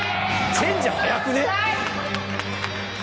チェンジ早くね？